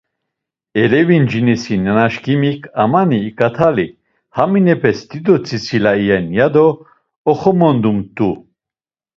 Elevincinisi nanaşǩimik: Amani iǩatali. Haminepes dido tzitzila iyen. ya do oxomondumt̆u.